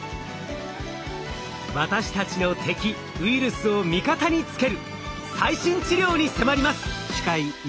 私たちの敵ウイルスを味方につける最新治療に迫ります！